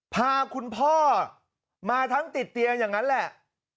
พาคุณพ่อมาทั้งติดเตียงอย่างนั้นแหละ